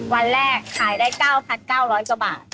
วันแรกขายได้๙๙๐๐กว่าบาท